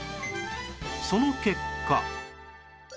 その結果